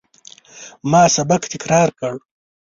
ما سبق تکرار کړ.